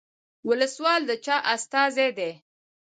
ولسوال د چا استازی دی؟